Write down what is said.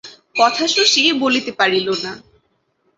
কথা শশী বলিতে পারিল না।